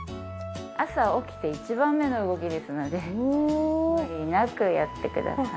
朝起きて一番目の動きですので無理なくやってください。